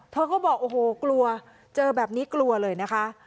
เธอก็บอกโอ้โหกลัวเจอแบบนี้กลัวเลยนะคะ